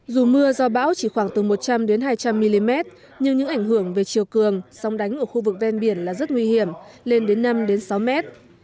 dù mưa do bão chỉ khoảng từ một trăm linh đến hai trăm linh mm nhưng những ảnh hưởng về chiều cường sóng đánh ở khu vực ven biển là rất nguy hiểm lên đến năm sáu mét